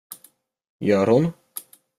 Gör hon?